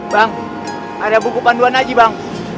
bang ada buku panduan aja bang